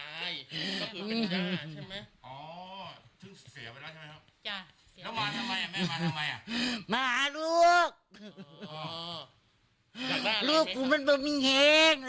แล้วมาทำไมแม่มาทำไมมาหาลูกอ๋อลูกกูมันไม่มีแหง